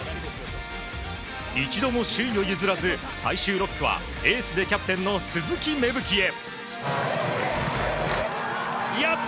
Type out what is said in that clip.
一度も首位を譲らず最終６区はエースでキャプテンの鈴木芽吹へ。